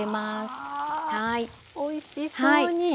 うわおいしそうに。